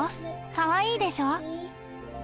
かわいいでしょ。